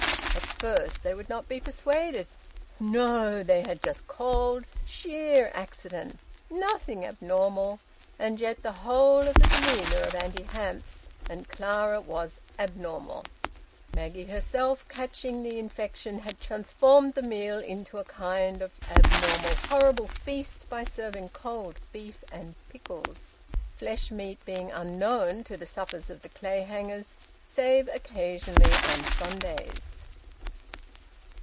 At first they would not be persuaded! No! They had just called sheer accident! nothing abnormal! And yet the whole of the demeanour of Auntie Hamps and Clara was abnormal. Maggie herself, catching the infection, had transformed the meal into a kind of abnormal horrible feast by serving cold beef and pickles flesh meat being unknown to the suppers of the Clayhangers save occasionally on Sundays.